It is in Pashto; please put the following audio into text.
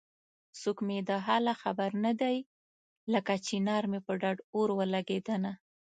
څوک مې د حاله خبر نه دی لکه چنار مې په ډډ اور ولګېدنه